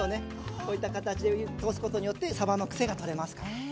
こういった形でお湯通すことによってさばのクセが取れますから。